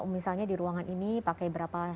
misalnya di ruangan ini pakai berapa